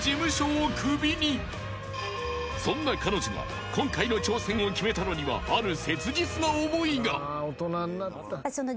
［そんな彼女が今回の挑戦を決めたのにはある］